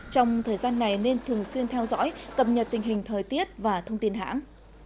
trong thời gian này nên thường xuyên theo dõi cập nhật tình hình thời tiết và thông tin hãng